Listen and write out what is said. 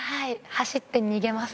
走って逃げます。